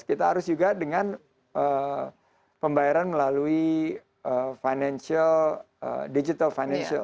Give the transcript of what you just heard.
kita harus juga dengan pembayaran melalui financial digital financial